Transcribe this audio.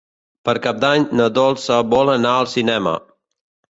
Per Cap d'Any na Dolça vol anar al cinema.